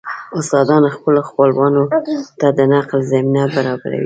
استادان خپلو خپلوانو ته د نقل زمينه برابروي